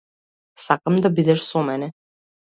Сакам да бидеш со мене.